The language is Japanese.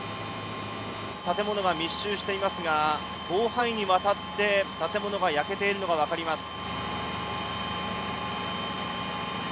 建物が密集していますが、広範囲にわたって建物が焼けているのが分かります。